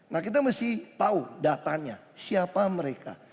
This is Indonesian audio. nah kita mesti tahu datanya siapa mereka